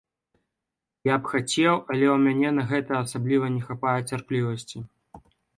Я б хацеў, але ў мяне на гэта асабліва не хапае цярплівасці.